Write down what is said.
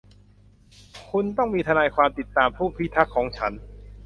คุณต้องมีทนายความติดตามผู้พิทักษ์ของฉัน